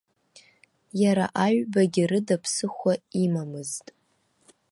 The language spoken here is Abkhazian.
Иара аҩбагьы рыда ԥсыхәа имамызт.